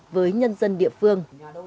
với nhân dân địa phương